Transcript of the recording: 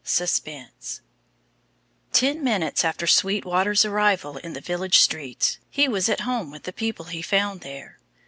SUSPENSE Ten minutes after Sweetwater's arrival in the village streets, he was at home with the people he found there.